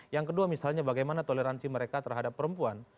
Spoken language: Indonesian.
yang kedua misalnya bagaimana toleransi mereka terhadap perempuan